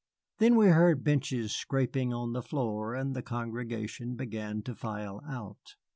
Then we heard benches scraping on the floor, and the congregation began to file out.